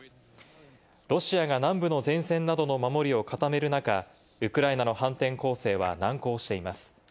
ロシアが南部の前線などの守りを固める中、ウクライナの反転攻勢は難航しています。